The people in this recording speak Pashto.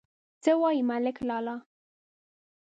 _څه وايې ملک لالا ؟